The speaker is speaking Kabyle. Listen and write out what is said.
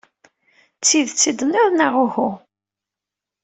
D tidet i tenniḍ, neɣ uhu?